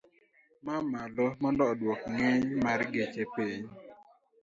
Ma malo mondo odwok ng'eny mar geche piny